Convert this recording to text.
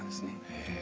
へえ。